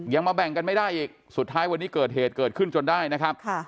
มาแบ่งกันไม่ได้อีกสุดท้ายวันนี้เกิดเหตุเกิดขึ้นจนได้นะครับ